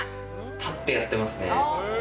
立ってやってますね。